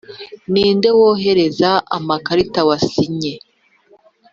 ninde wohereza amakarita wasinye